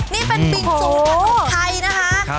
นี่เป็นบิงซูขนมไทยนะฮะ